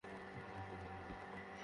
মা কসম, দারুণ যাত্রা হবে।